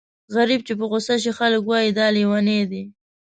غريب چې په غوسه شي خلک وايي دا لېونی دی.